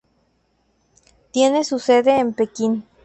Tiene su sede en Pekín.